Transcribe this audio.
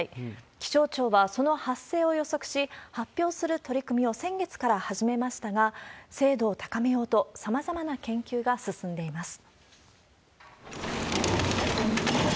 気象庁はその発生を予測し、発表する取り組みを先月から始めましたが、精度を高めようと、さまざまな研究が進んでいます。